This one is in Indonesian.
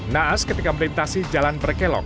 naas ketika melintasi jalan berkelok